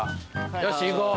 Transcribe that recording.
よし行こう。